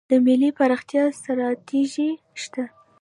د ملي پراختیا ستراتیژي شته؟